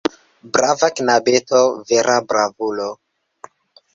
Brava knabeto, vera bravulo!